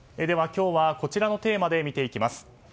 今日はこちらのテーマで見ていきます。